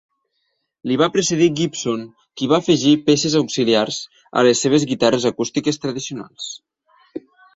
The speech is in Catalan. Li va precedir Gibson qui va afegir peces auxiliars a les seves guitarres acústiques tradicionals.